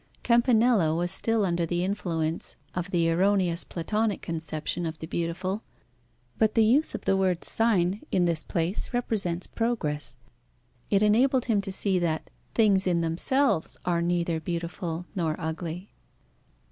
Campanella was still under the influence of the erroneous Platonic conception of the beautiful, but the use of the word sign in this place represents progress. It enabled him to see that things in themselves are neither beautiful nor ugly.